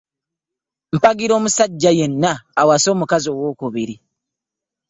Mpagira omusajja yenna awasa omukazi owookubiri.